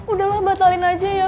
udahlah batalin aja ya